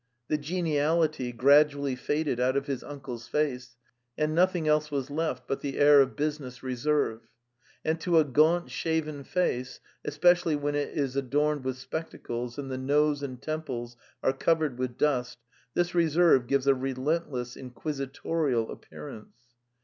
The geniality gradually faded out of his un cle's face and nothing else was left but the air of business reserve; and to a gaunt shaven face, es pecially when it is adorned with spectacles and the nose and temples are covered with dust, this reserve gives a relentless, inquisitorial appearance.